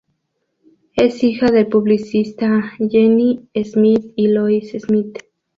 Es hija del publicista Gene Smith y de Lois Smith.